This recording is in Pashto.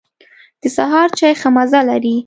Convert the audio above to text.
د سهار چای ښه مزه لري.